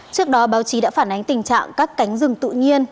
trước đó báo chí đã phản ánh tình trạng các cánh rừng tự nhiên